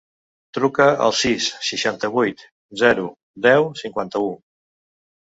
Truca al sis, setanta-vuit, zero, deu, cinquanta-u.